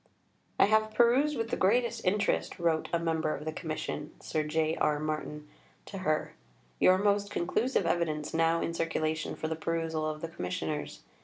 " "I have perused with the greatest interest," wrote a member of the Commission (Sir J. R. Martin) to her, "your most conclusive evidence now in circulation for the perusal of the Commissioners.